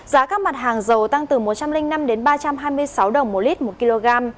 giá các mặt hàng dầu tăng từ một trăm linh năm đến ba trăm hai mươi sáu đồng một lít một kg